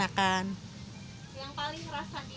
yang paling keras di bagian mana